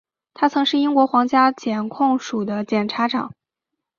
他曾是英国皇家检控署的检察长。